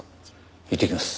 行ってきます。